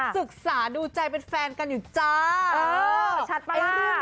สึกษาดูใจเป็นแฟนกันอยู่จ้าเออชัดปะมาก